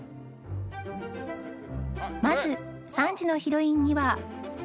まず３時のヒロインには